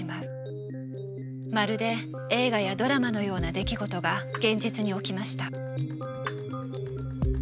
まるで映画やドラマのような出来事が現実に起きました。